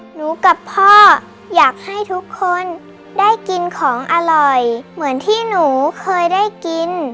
หนูกับพ่ออยากให้ทุกคนได้กินของอร่อยเหมือนที่หนูเคยได้กิน